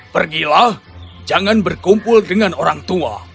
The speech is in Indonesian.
pergilah jangan berkumpul dengan orang tua